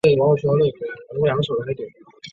这可以用高斯算法验证。